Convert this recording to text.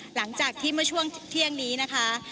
หลังจากที่เมื่อช่วงเที่ยงนี้นะคะ